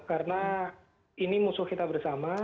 karena ini musuh kita bersama